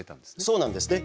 そうなんですね。